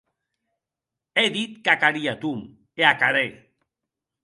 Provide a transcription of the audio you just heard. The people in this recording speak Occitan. È dit qu'ac haria, Tom, e ac harè.